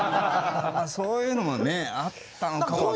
そういうのもねあったのかもわかんない。